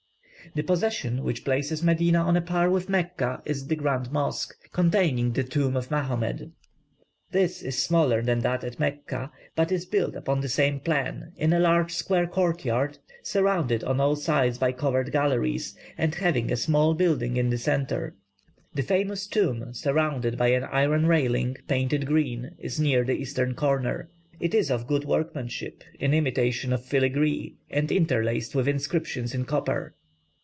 The possession which places Medina on a par with Mecca is the Grand Mosque, containing the tomb of Mahomet. This is smaller than that at Mecca, but is built upon the same plan, in a large square courtyard, surrounded on all sides by covered galleries, and having a small building in the centre. The famous tomb, surrounded by an iron railing painted green, is near the eastern corner. It is of good workmanship, in imitation of filagree, and interlaced with inscriptions in copper.